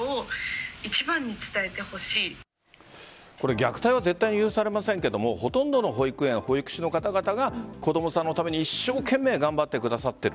虐待は絶対に許されませんがほとんどの保育園は保育士の方々が子供のために一生懸命頑張ってくださっている。